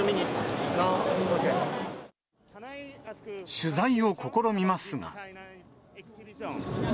取材を試みますが。